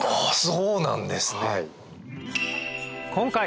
そうなんですね。